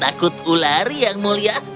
takut ular yang mulia